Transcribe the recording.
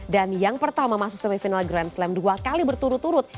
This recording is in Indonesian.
dan yang pertama masuk semifinal grand slam dua kali berturut turut